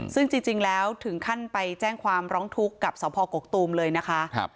ซึ่งจริงแล้วถึงขั้นไปแจ้งความร้องทุกข์กับสพกกตูมเลยนะคะ